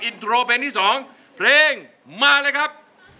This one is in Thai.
อินโทรเพลงที่๒เพลงมาเลยครับ